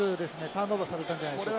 ターンオーバーされたんじゃないでしょうか。